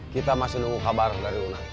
kita masih nunggu kabar dari una